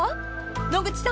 ［野口さん